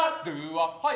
はい。